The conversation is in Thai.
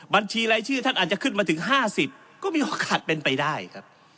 บัญชีรายชื่อท่านอาจจะขึ้นมาถึง๕๐ก็มีโอกาสเป็นไปได้ครับ